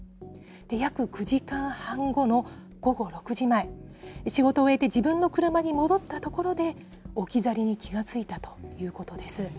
約９時間半後の午後６時前、仕事を終えて、自分の車に戻ったところで、置き去りに気がついたということです。